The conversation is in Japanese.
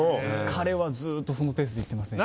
彼はずっとそのペースで行ってますね。